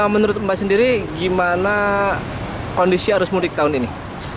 menurut mbak sendiri gimana kondisi arus mudik tahun ini